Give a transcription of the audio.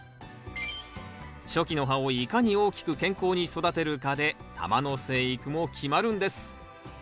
初期の葉をいかに大きく健康に育てるかで球の生育も決まるんです。